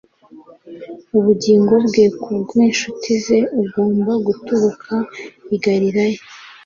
ubugingo bwe ku bw incuti ze ugomba guturuka i galilaya